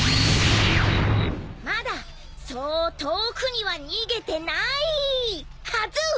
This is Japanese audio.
まだそう遠くには逃げてない！はず！